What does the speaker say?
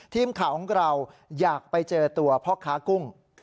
ทีมข่าวของเราอยากไปเจอตัวพ่อค้ากุ้ง